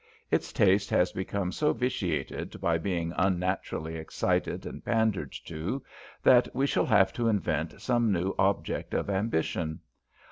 Its taste has become so vitiated by being unnaturally excited and pandered to, that we shall have to invent some new object of ambition.